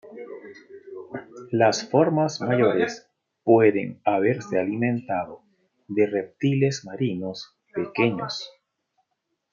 Las formas mayores pueden haberse alimentado de reptiles marinos pequeños.